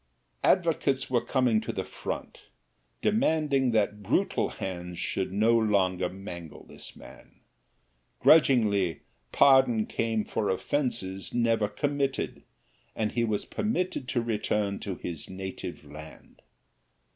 Advocates were coming to the front, demanding that brutal hands should no longer mangle this man: grudgingly pardon came for offenses never committed, and he was permitted to return to his native land.